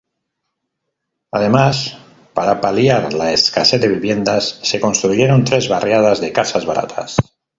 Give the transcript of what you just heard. Además, para paliar la escasez de viviendas se construyeron tres barriadas de casas baratas.